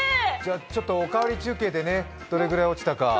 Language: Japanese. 「おかわり中継」でどれぐらい落ちたか。